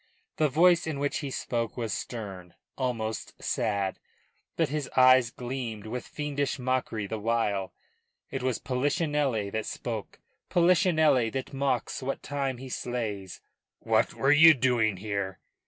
The voice in which he spoke was stern, almost sad; but his eyes gleamed with fiendish mockery the while. It was Polichinelle that spoke Polichinelle that mocks what time he slays. "What were you doing here?"